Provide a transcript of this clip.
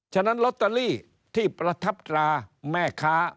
ฉะนั้นลอตเตอรี่ที่ประทับตราแม่ค้า